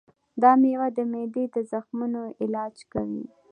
دا مېوه د معدې د زخمونو علاج کوي.